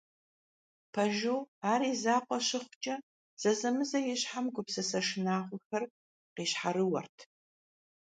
Пэжу, ар и закъуэ щыхъукӏэ, зэзэмызэ и щхьэм гупсысэ шынагъуэхэр къищхьэрыуэрт.